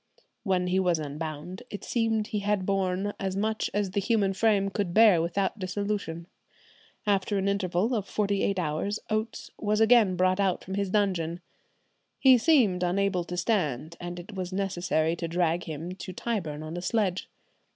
When he was unbound it seemed he had borne as much as the human frame could bear without dissolution. ... After an interval of forty eight hours Oates was again brought out from his dungeon. He seemed unable to stand, and it was necessary to drag him to Tyburn on a sledge."